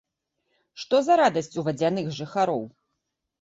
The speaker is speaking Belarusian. Што за радасць у вадзяных жыхароў?